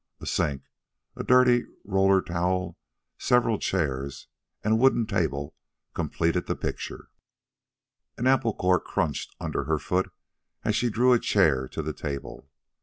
A sink, a dirty roller towel, several chairs, and a wooden table completed the picture. An apple core crunched under her foot as she drew a chair to the table.